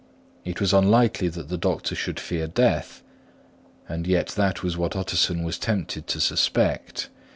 It was unlikely that the doctor should fear death; and yet that was what Utterson was tempted to suspect.